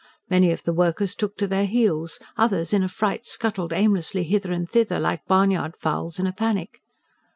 Many of the workers took to their heels; others, in affright, scuttled aimlessly hither and thither, like barnyard fowls in a panic.